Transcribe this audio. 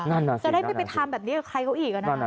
จะได้ไม่ไปทำแบบนี้กับใครเขาอีกนะ